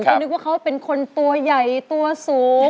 เขานึกว่าเขาเป็นคนตัวใหญ่ตัวสูง